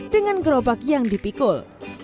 dengan gerobak yang dipikul